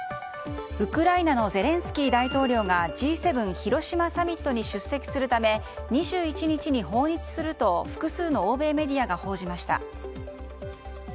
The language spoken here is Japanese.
ウクライナのゼレンスキー大統領がＧ７広島サミットに出席するため２１日に訪日すると複数の欧米メディアが報じました。